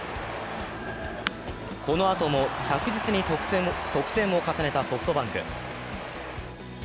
このあとも着実に得点を重ねたソフトバンク。